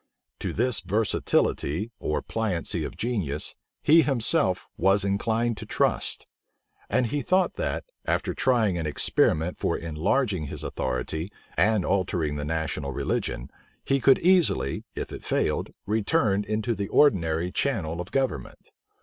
To this versatility or pliancy of genius he himself was inclined to trust; and he thought that, after trying an experiment for enlarging his authority, and altering the national religion, he could easily, if it failed, return into the ordinary channel of government.